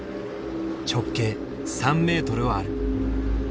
直径３メートルはある。